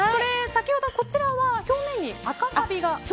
先ほどこちらは表面に赤さびが。